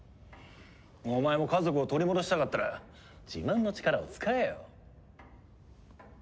お前も家族を取り戻したかったら自慢の力を使えよ。